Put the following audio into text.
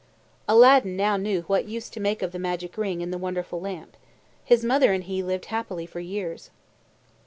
Aladdin now knew what use to make of the magic ring and the wonderful lamp. His mother and he lived happily for years.